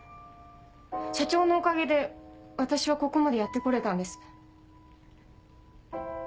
社長のおかげで私はここまでやって来れたんです。